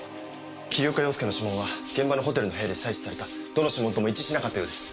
桐岡洋介の指紋は現場のホテルの部屋で採取されたどの指紋とも一致しなかったようです。